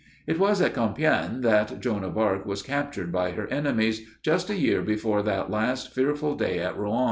It was at Compiègne that Joan of Arc was captured by her enemies, just a year before that last fearful day at Rouen.